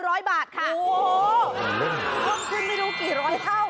เพิ่มขึ้นไม่รู้กี่ร้อยเท่า